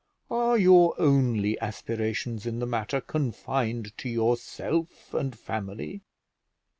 Are your only aspirations in the matter confined to yourself and family?